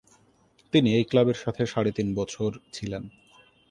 তিনি এই ক্লাবের সাথে সাড়ে তিন বছর ছিলেন।